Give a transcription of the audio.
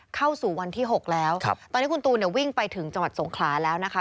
เข้าสู่วันที่๖แล้วตอนนี้คุณตูนเนี่ยวิ่งไปถึงจังหวัดสงขลาแล้วนะคะ